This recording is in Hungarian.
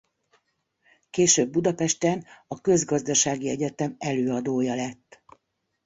Később Budapesten a Közgazdasági Egyetem előadója lett.